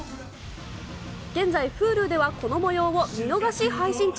現在ｈｕｌｕでは、このもようを見逃し配信中。